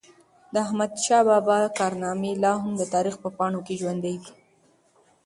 د احمدشاه بابا کارنامي لا هم د تاریخ په پاڼو کي ژوندۍ دي.